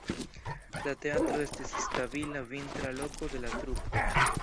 La teatro estis stabila vintra loko de la trupo.